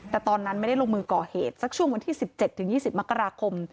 แต่ตอนนั้นไม่ได้ลงมือก่อเหตุสักช่วงวันที่๑๗๒๐มกราคม